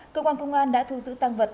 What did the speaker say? cơ quan công an đã thu giữ tăng vật